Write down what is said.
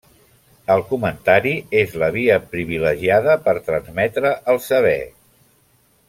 El comentari és la via privilegiada per transmetre el saber.